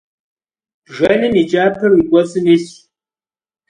Bjjenım yi ç'aper yi k'uets'ım yilhş.